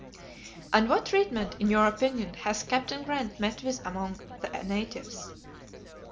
"And what treatment, in your opinion, has Captain Grant met with among the natives?"